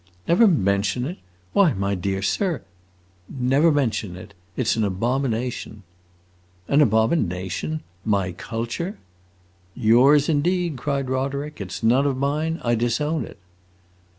"Never mention it? Why my dear sir" "Never mention it. It 's an abomination!" "An abomination! My Culture!" "Yours indeed!" cried Roderick. "It 's none of mine. I disown it."